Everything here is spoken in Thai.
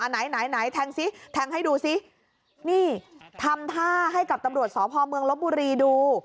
นี่ทางนี้ทางให้ดูสินี่ทำท่าให้กับทำลวดสพลลบบุรีดู